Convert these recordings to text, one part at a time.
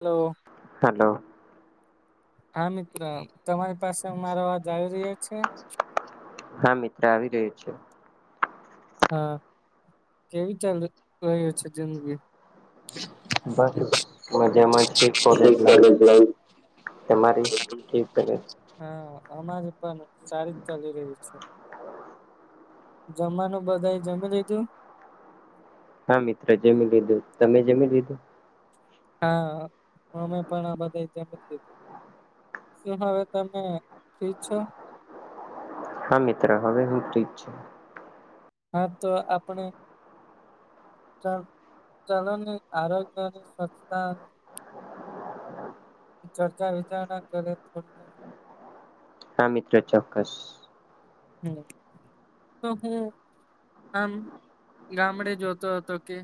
Hello hello. ! હા મિત્ર તમારી પાસે મારો અવાજ આવી રહ્યો છે.? હા, મિત્ર આવી રહ્યો છે. હા કેવી ચાલુ રહ્યું છે જિંદગી.? બસ મજામાં છે. કોલેજ લાઈફ તે મારી કે ક? હા અમારી પણ સારી જ ચાલી રહી છે. જમાનું બધાએ જમી લીધું. હા મિત્ર જમી લીધું, તમે જમી લીધું.? હા અમે પણ આ બધા જમ દીધું. શું હવે તમે ફ્રી છો.? હા મિત્ર હવે હું ફ્રિ છે. હા તો આપણે, ચલો ચાલોની આરોગ્ય ની સ્વચ્છતા. ચર્ચા વિચારણા કરીએ થોડી વાર. હા મિત્રો ચોક્કસ. હમ તો હું આમ. ગામડે જોતો હતો કે.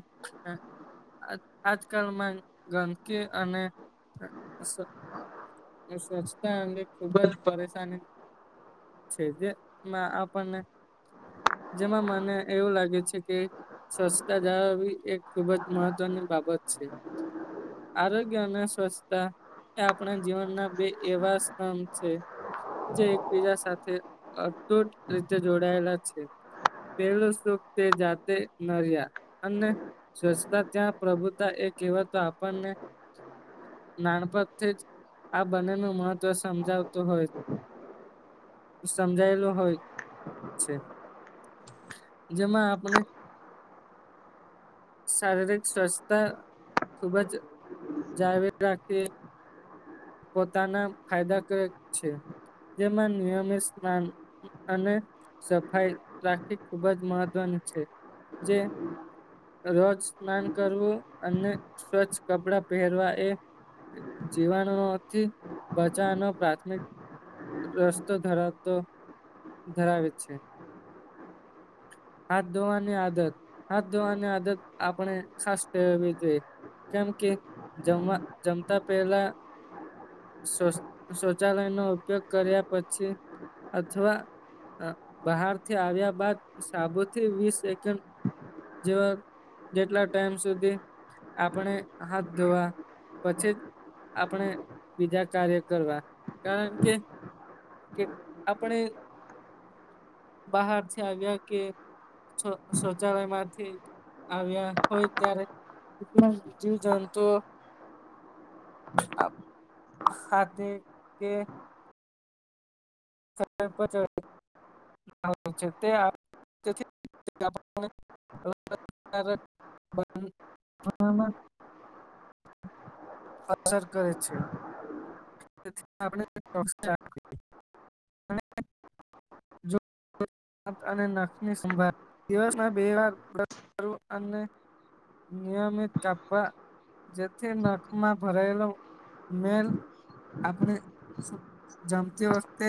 આજકાલમાં ગંદકી અને. સ સ્વચ્છતા અંગે ખુબ જ પરેશાની. છે જે મા આપણને. જેમાં મને એવું લાગે છે કે.? સ્વચ્છતા જાળવી એક ખૂબ જ મહત્વની બાબત છે. આરોગ્ય અને સ્વચ્છતા એ આપણે. જીવનના બે એવા સ્તંભ છે. જે એકબીજા સાથે અતુટ રીતે જોડાયેલા છે. પેલું સુખ તે જાતે નર્યા અને. સ્વચ્છતા ત્યાં પ્રભુતા એ કહેવાતો આપણને. નાનપણથી જ આ બંનેનું મહત્ત્વ સમજાવતું હોય. સમજાયેલુ હોય છે. જેમાં આપણે શારીરિક સ્વસ્થ્ય ખુબ જ જાળવી રાખી એ પોતાના ફાયદાકારક છે. જેમાં નિયમિત સ્નાન અને સફાઈ રાખી ખુબ જ મહત્વની છે. જે રોજ સ્નાન કરવું અને સ્વચ્છ કપડા પહેરવા એ જીવાણુથી બચાનો પ્રાથમિક રસ્તો ધરાવતો ધરાવે છે. હાથ ધોવાની આદત હાથ, ધોવાની આદત આપણે ખાસ કેળવવી જોઈએ. કેમ કે જમવા જમતા પહેલા શૌચાલયનો ઉપયોગ કર્યા પછી અથવા બહારથી આવ્યા બાદ સાબુથી વીસ સેકન્ડ જેવા જેટલા ટાઈમ સુધી આપણે હાથ ધોવા પછી જ આપણે બીજા કાર્ય કરવા કારણ કે કે આપણે બહારથી આવ્યા કે શૌચાલય માંથી આવ્યા હોય ત્યારે એટલા જીવજંતુ ઓ ખાતે કે [inaudible] તે [inaudible] [unintelligible] અસર કરે છે. [unintelligible] જો આપણે અને નખની સંભાળ દિવસમાં બે વાર બ્રશ કરવો, અને નિયમિત તાપા જેથી નખમાં ભરાયેલો મેલ આપણે જમતી વખતે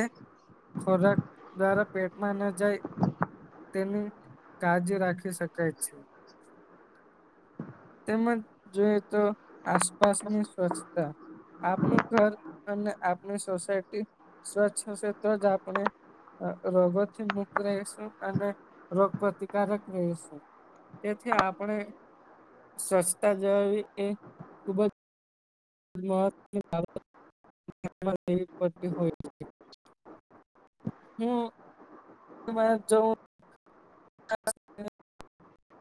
ખોરાક દ્વારા પેટમાં ન જાય તેની કાળજી રાખી શકાય છે. તેમજ જોઈએ તો આસપાસની સ્વચ્છતા આપણું ઘર અને આપણી સોસાયટી સ્વચ્છ હશે તો જ આપણે અહ રોગોથી મુક્ત રહેશું અને રોગ પ્રતિકારક રહીશું. તેથી આપણે સ્વચ્છતા જાળવવી એ ખૂબ જ [unintelligible] હું [inaudible] જઉં [inaudible] [inaudible] [unintelligible] [unintelligible]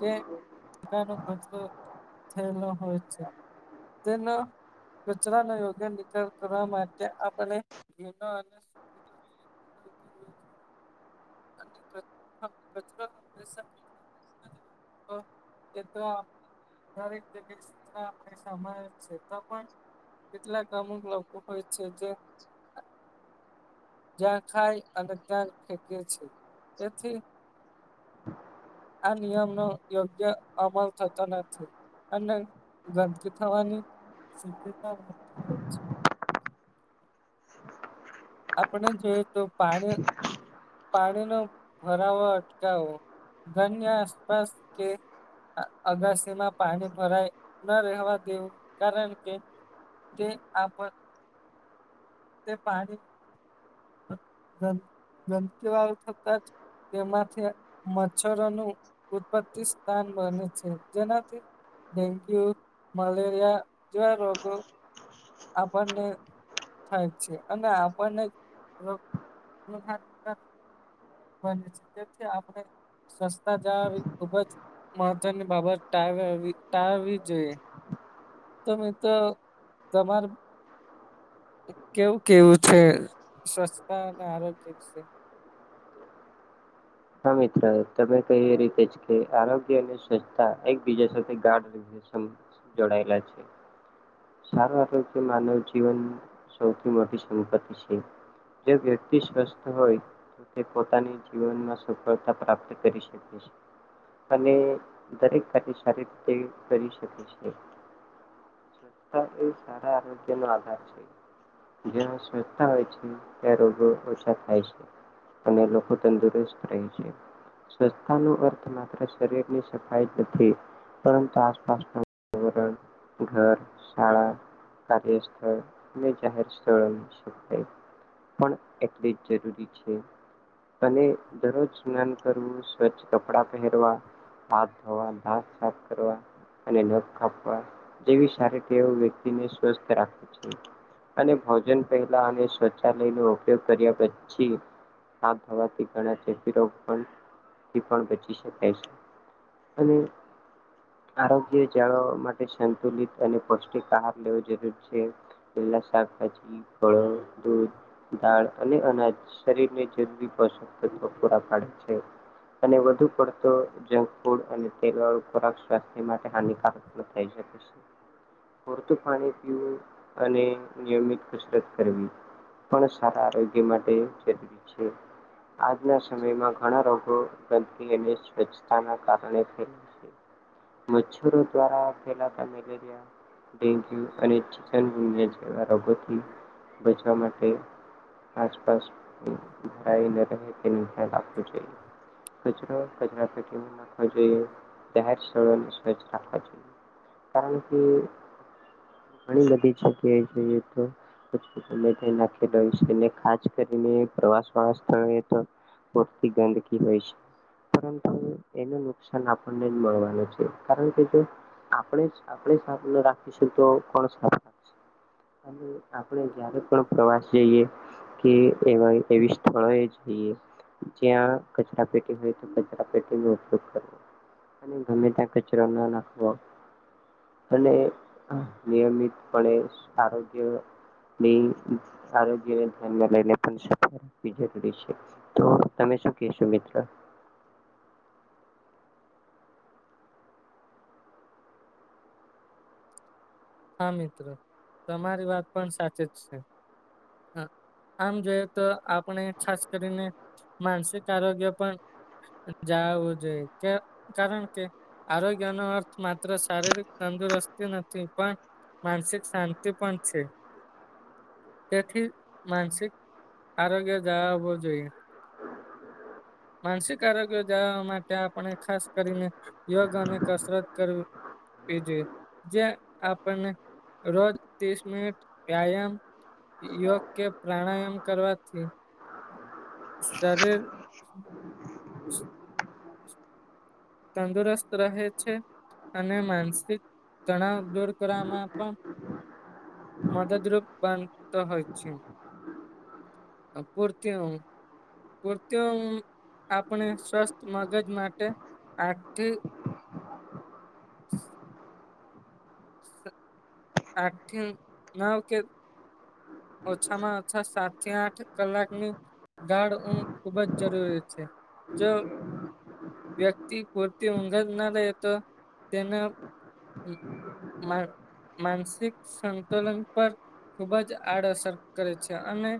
કે [unintelligible] થયેલો હોય છે. તેનો કચરાની યોગ્યા નિકલ કરવા માટે આપણે [inaudible] [inaudible] [inaudible] કેટલાક અમુક લોકો હોય [inaudible] જ્યાં ખાય અને ત્યાં જ ફેકે છે. પછી આ નિયમ નો યોગ્ય અમલ થતો નથી. અને ગંદકી થવાની શકયતા મળતી હોય છે. આપણે જોઈએ તો પાણી પાણીનો ભરાવો અટકાવો, ઘરની આસપાસ કે અ અગાસીમાં પાણી ભરાય ન રહેવા દેવું કારણ કે જે આપ તે પાણી ગંદ ગંદકી વાર થતા જ તેમાંથી મચ્છરોનું ઉત્પત્તિ સ્થાન બને છે. જેનાથી ડેન્ગ્યુ, મલેરિયા જેવા રોગો આપણને થાય છે, અને આપણને રોગ [unintelligible] બને છે. તેથી આપણે સસ્તા [unintelligible] ખુબ જ મહત્વની બાબત ટાળળવી ટાળવવી જોઈએ. તો મિત્રો તમાર કેવું કહેવું છે, સ્વચ્છતા અને આરોગ્ય વિશે? હા મિત્ર, તમે કહી એ રીતે જ કે આરોગ્ય અને સ્વચ્છતા એકબીજા સાથે ગાઢ [unintelligible] સમ જોડાયેલા છે. સારું આરોગ્ય માનવ જીવન સૌથી મોટી સંપત્તિ છે. જે વ્યક્તિ સ્વસ્થ હોય તે પોતાની જીવનમાં સફળતા પ્રાપ્ત કરી શકે સે. અને દરેક કાર્ય સારી રીતે કરી શકે છે. સ્વચ્થતા એ સારા આરોગ્ય નો આધાર છે. જ સ્વસ્તા હોય છે, ત્યાં રોગો ઓછા થાય છે. અને લોકો તંદુરસ્ત રહે છે. સ્વચ્તા ન અર્થ માત્ર શરીરની સફાય જ નથી પરંતુ આસપાસનો પર્યાવરણ, ઘર, શાળા કાર્યસ્થળ અને જાહેર સ્થળો. [unintelligible] પણ એટલે જ જરૂરી છે અને દરરોજ સ્નાન કરવું સ્વચ્છ કપડા પહેરવા હાથ ધોવા હાથ સાફ કરવા અને નખ કાપવા જેવી સારી તેવ વ્યક્તિને સ્વસ્થ રાખે છે. અને ભોજન પહેલા અને શૌચાલયનો ઉપયોગ કર્યા પછી હાથ ધોવાથી ઘણા [unintelligible] પણ બચી શકાય છે અને આરોગ્ય જાળવવા માટે સંતુલિત અને પૌષ્ટિક આહાર લેવો જરૂર છે. લીલા શાકભાજી, ફળ, દૂધ, દાળ અને અનાજ શરીર ને જરૂરી પષો પૂરા પાડે છે. અને વધુ પડતો જંક ફૂડ અને તેલવા ખોરાક સ્વસ્થ માટે હાનિકારક થાય [unintelligible] પરતું પાણી પીવું અને નિયમિત કસરત કરવી પણ સારા આરોગ્ય માટે જરૂરી છે. આજના સમયમાં ઘણા રોગો [unintelligible] સ્વચ્છતાના કારણે મચ્છરો દ્વારા ફેલાતા મલેરિયા ડેન્ગ્યુ અને ચિકન [inaudible] જેવા રોગોથી બચવા માટે [inaudible] [unintelligible] [inaudible] કારણ કે ઘણી બધી જગ્યા જોઈએ તો નાખી છે ને ખાસ કરીને પ્રવાસ વાળા સ્થળો તો [unintelligible] ગંદકી હોય છે. પરંતુ એનું નુકસાન આપણને જ મળવાનું છે કારણ કે જો આપણે જ આપણે સાને રાખીશું તો કોણ સાફ રાખસે. અને આપણે જયારે પણ પ્રવાસ જઈએ કે એ એવી સ્થળોએ જઈએ જ્યાં કચરા પેટી હોય તો કચરા પેટી નો ઉપયોગ કરવો. અને ગમે ત્યાં કચરો ના નાખવો. અને નિયમિત પણે આરોગ્ય આરોગ્યને ધ્યાન લઈને પણ સફળ રાખવી [unintelligible] તો તમે શું કહેશો મિત્રો? હા મિત્રો તમારી વાત પણ સાચી જ છે. આમ જોઈએ તો આપણે ખાસ કરીને માનસિક આરોગ્ય પણ જ આવું જોઈએ કે કારણ કે આરોગ્ય નો અર્થ માત્ર શારીરિક તંદુરસ્તી નથી પણ માનસિક શાંતિ પણ છે. તેથી માનસિક આરોગ્ય જાળવવું જોઈએ. [inaudible] માનસિક આરોગ્ય જાળવવા માટે આપણે ખાસ કરીને યોગ અને કસરત કરવી જોઈએ. જ્યાં આપણને રોજ ત્રીસ મિનિટ વ્યાયામ યોગ કે પ્રાણાયામ કરવાથી શરીર તંદુરસ્ત રહે છે અને માનસિક તણાવ દૂર કરવામાં પણ મદદરૂપ બનતા હોય છે. અ પૂરતીઓ સકુતિ આપણે સ્વસ્થ મગજ માટે, આથી આથી નાવ કે ઓછામાં ઓછા સાત થી આઠ કલાકની ગાઢ ઊંઘ ખૂબ જ જરૂરી છે, જો વ્યક્તિ પુરતી ઊંધ ના એ હતો તેના માનસિક સંતુલન પર ખુબ જ આડઅસર કરે છે, અને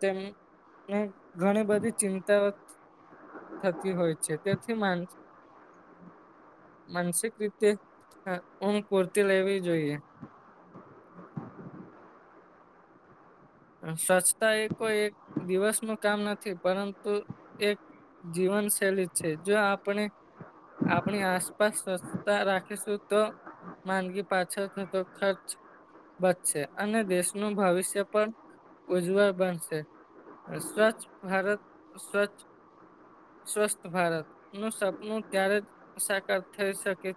તેમને ઘણી બધી ચિંતા થતી હોય છે, તેથી મા માનસિક રીતે ઊઘ પૂરતી લેવી જોઈએ. [inaudible] સ્વચ્છતા એ કોઈ એક દિવસ નું કામ નથી પરંતુ એક જીવનશૈલી છે, જો આપણે. આપણી આસપાસ સ્વચ્છતા રાખીશું તો. માંદગી પાછળ થતો ખર્ચ બચશે અને દેશનું ભવિષ્ય પણ ઉજ્વળ બનશે, સ્વચ્છ ભારત સ્વચ્છ સ્વસ્થ ભારત, નું સપનું ત્યારે જ સાકાર થઈ શકે.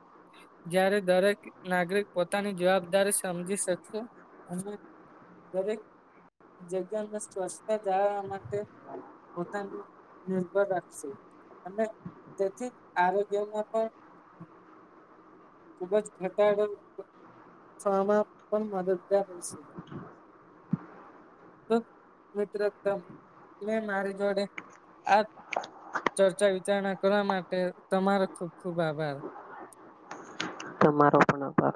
ત્યારે દરેક નાગરિક પોતાની જવાબદારી સમજી શકશે, અને દરેક જગ્યાને સ્વચ્છતા જાળવા માટે પોતાને નિર્ભર રાખશે. અને તેથી જ આરોગ્યમાં પણ ખૂબ જ ઘટાડોવામાં પણ મદદગાર રહેશે. મિત્રો મેં મારી જોડે આ ચર્ચા વિચારણા કરવા માટે તમારો ખુબ ખુબ આભાર. તમારો પણ આભાર.